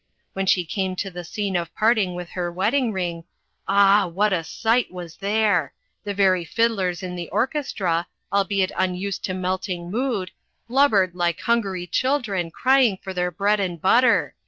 When she came to the scene of parting with her wedding ring, ah! what a sight was there! the very fiddlers in the orchestra, albeit unused to melting mood, blubbered like hungry children crying for their bread and butter!